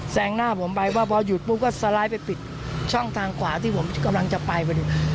งหน้าผมไปว่าพอหยุดปุ๊บก็สไลด์ไปปิดช่องทางขวาที่ผมกำลังจะไปพอดี